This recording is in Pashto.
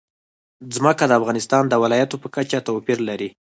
ځمکه د افغانستان د ولایاتو په کچه توپیر لري.